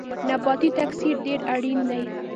نباتي تکثیر ډیر اړین دی